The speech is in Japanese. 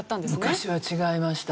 昔は違いました。